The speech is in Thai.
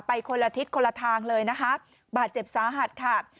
คนละทิศคนละทางเลยนะคะบาดเจ็บสาหัสค่ะ